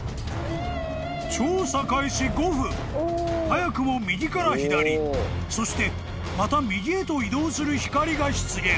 ［早くも右から左そしてまた右へと移動する光が出現］